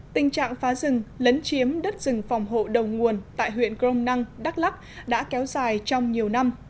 tình trạng phá rừng lấn chiếm đất rừng phòng hộ đầu nguồn tại huyện grom năng đắk lắc đã kéo dài trong nhiều năm